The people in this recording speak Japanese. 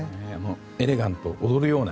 エレガント、踊るような。